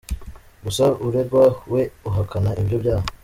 Gusa uregwa we ahakana ibyo byaha.